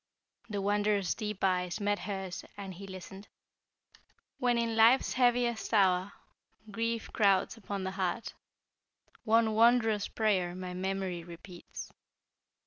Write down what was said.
The Wanderer's deep eyes met hers and he listened. "When in life's heaviest hour Grief crowds upon the heart One wondrous prayer My memory repeats.